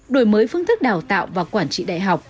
đổi mới phương thức đào tạo và quản trị đại học